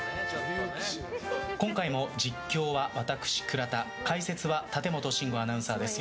今回も実況は私、倉田解説は立本信吾アナウンサーです。